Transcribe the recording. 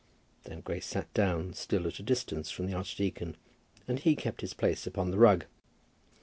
Then Grace sat down, still at a distance from the archdeacon, and he kept his place upon the rug.